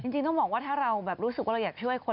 จริงต้องบอกว่าถ้าเราแบบรู้สึกว่าเราอยากช่วยคน